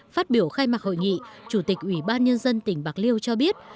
phát biểu khai mạc hội nghị chủ tịch ủy ban nhân dân tỉnh bạc liêu cho biết